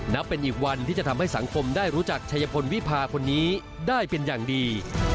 นับเป็นอีกวันที่จะทำให้สังคมได้รู้จักชัยพลวิพาคนนี้ได้เป็นอย่างดี